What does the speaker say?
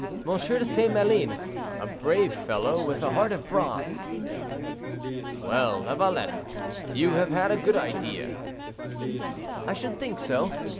de St. Maline, a brave fellow, with a heart of bronze." "Well, Lavalette, you have had a good idea." "I should think so.